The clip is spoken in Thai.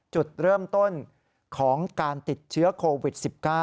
จุดเริ่มต้นของการติดเชื้อโควิด๑๙